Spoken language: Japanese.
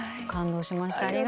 感動しました。